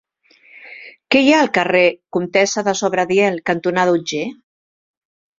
Què hi ha al carrer Comtessa de Sobradiel cantonada Otger?